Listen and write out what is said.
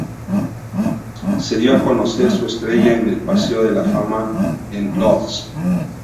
Se dio a conocer su estrella en el paseo de la fama en Lodz.